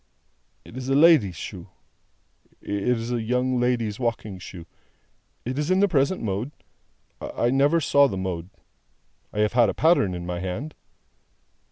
"It is a lady's shoe. It is a young lady's walking shoe. It is in the present mode. I never saw the mode. I have had a pattern in my hand."